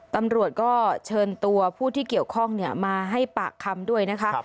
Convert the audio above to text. ตำรวจก็เชิญตัวผู้ที่เกี่ยวข้องมาให้ปากคำด้วยนะคะ